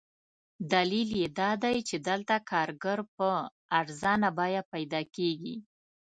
دلیل یې دادی چې دلته کارګر په ارزانه بیه پیدا کېږي.